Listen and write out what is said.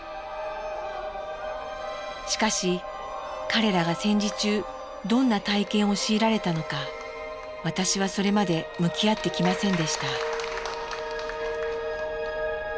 しかし彼らが戦時中どんな体験を強いられたのか私はそれまで向き合ってきませんでした。